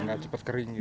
tidak cepat kering